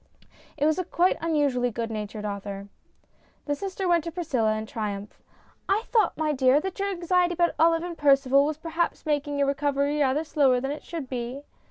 It was a quite unusually good natured author. The sister went to Priscilla in triumph. " I thought, my dear, that your anxiety about Olive and Percival was perhaps making your recovery rather slower than it should be."